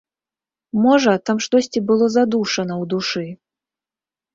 Можа, там штосьці было задушана ў душы?